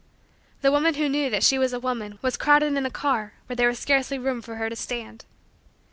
The woman who knew that she was a woman was crowded in a car where there was scarcely room for her to stand.